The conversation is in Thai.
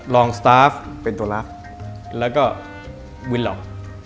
สตาฟเป็นตัวลักษณ์แล้วก็วินหลอก